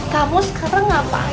kamu sekarang ngapain pake julia